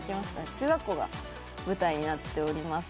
中学校が舞台になっております。